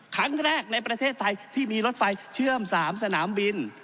ครั้งแรกในประเทศไทยที่มีรถไฟเชื่อม๓สนามบิน